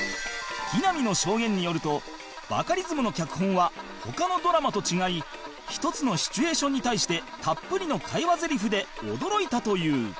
木南の証言によるとバカリズムの脚本は他のドラマと違い１つのシチュエーションに対してたっぷりの会話ゼリフで驚いたという